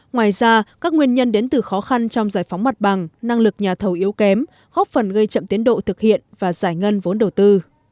ngoài ra các nguyên nhân đến từ khó khăn trong giải phóng mặt bằng năng lực nhà thầu yếu kém góp phần gây chậm tiến độ thực hiện và giải ngân vốn đầu tư